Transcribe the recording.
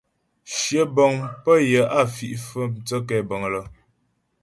Shyə bə̀ŋ pə́ yə á fi' fə̀'ə mthə́ kɛ̌bəŋ lə.